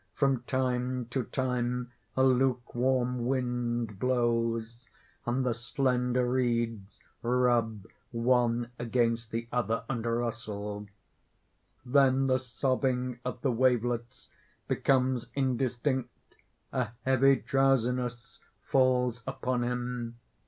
From time to time, a lukewarm wind blows; and the slender reeds rub one against the other, and rustle. Then the sobbing of the wavelets becomes indistinct. A heavy drowsiness falls upon him.